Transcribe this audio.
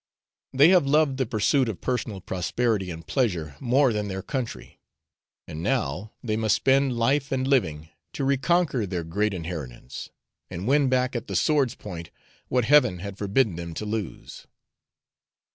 They have loved the pursuit of personal prosperity and pleasure more than their country; and now they must spend life and living to reconquer their great inheritance, and win back at the sword's point what Heaven had forbidden them to lose.